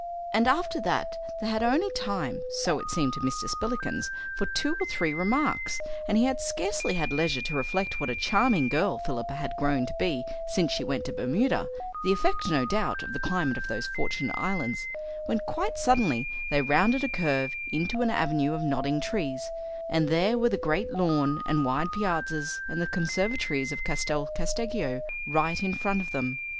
And after that they had only time, so it seemed to Mr. Spillikins, for two or three remarks, and he had scarcely had leisure to reflect what a charming girl Philippa had grown to be since she went to Bermuda the effect, no doubt, of the climate of those fortunate islands when quite suddenly they rounded a curve into an avenue of nodding trees, and there were the great lawn and wide piazzas and the conservatories of Castel Casteggio right in front of them.